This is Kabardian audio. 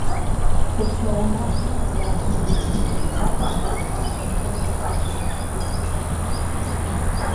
Фочауэ макъхэр быдапӀэм дэсхэм зэхахыу, дэӀэпыкъуэгъу къытхуэкӀуэну сыгугъэрт.